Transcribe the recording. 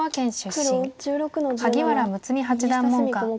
萩原睦八段門下。